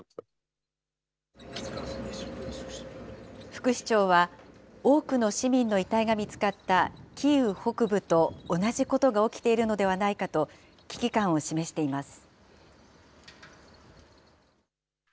副市長は、多くの市民の遺体が見つかった、キーウ北部と同じことが起きているのではないかと危機感を示しています。